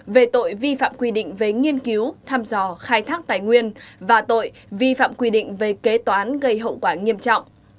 về tội vi phạm quy định về nghiên cứu tham dò khai thác tài nguyên và tội vi phạm quy định về kế toán gây hậu quả nghiêm trọng